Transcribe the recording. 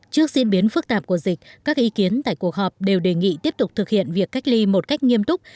trước diễn biến phức tạp của dịch các ý kiến tại cuộc họp đều đề nghị tiếp tục thực hiện việc cách ly một cách nghiêm túc